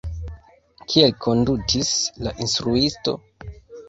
Kiel kondutis la instruisto?